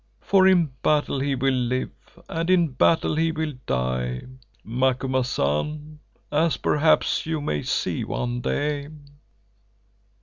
For in battle he will live and in battle he will die, Macumazahn, as perhaps you may see one day."